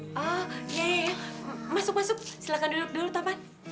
oh iya iya iya masuk masuk silahkan duduk dulu tapan